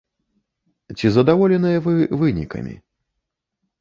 Ці задаволеныя вы вынікамі?